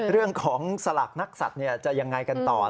เรื่องของสลากนักสัตว์จะยังไงกันต่อ